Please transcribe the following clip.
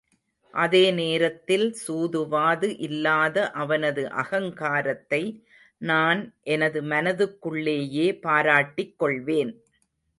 அதே நேரத்தில் சூதுவாது இல்லாத அவனது அகங்காரத்தை நான் எனது மனதுக்குள்ளேயே பாராட்டிக் கொள்வேன்.